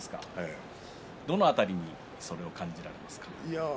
どの辺りにそれを感じられますか。